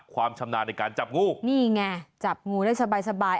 ความชำนาญในการจับงูนี่ไงจับงูได้สบายสบาย